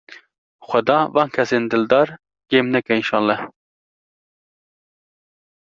Xweda van kesên dildar kêm neke înşellah.